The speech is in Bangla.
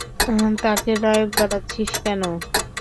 তাকে নায়ক বানাচ্ছিস কেন?